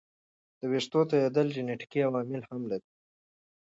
ویښتو توېیدل جنیټیکي عوامل هم لري.